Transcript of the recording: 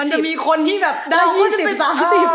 มันจะมีคนที่แบบได้ยี่สิบสามสิบ